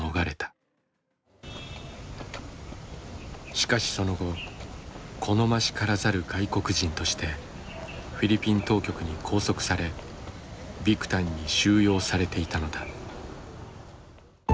しかしその後好ましからざる外国人としてフィリピン当局に拘束されビクタンに収容されていたのだ。